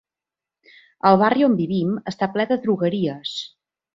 El barri on vivim està ple de drogueries.